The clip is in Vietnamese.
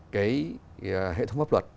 cái hệ thống pháp luật